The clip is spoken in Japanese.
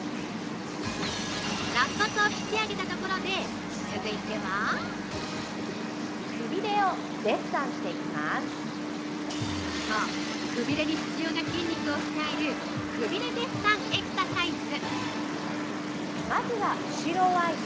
◆ろっ骨を引き上げたところで続いては◆そう、くびれに必要な筋肉を鍛えるくびれデッサンエクササイズ。